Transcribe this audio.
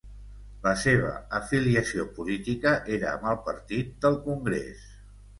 La seva afiliació política era amb el Partit del congrés.